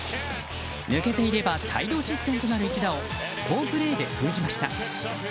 抜けていれば大量失点となる一打を好プレーで封じました。